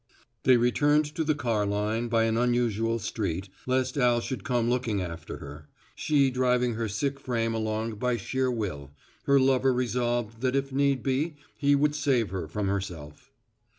They returned to the car line by an unusual street, lest Al should come looking after her, she driving her sick frame along by sheer will, her lover resolved that if need be he would save her from herself.